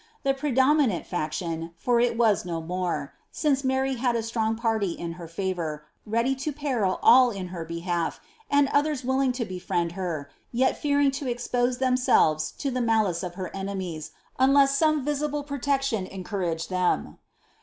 The predominant faction, for it was no more, (^ since Mary iikd a strong party in her favour, ready to peril all in her behalf, and otliers willing to befriend her, yet fearing to expose themselves to the malice of her enemies, unless some visible protection encouraged them,) * N*e the Le Iters of Mary.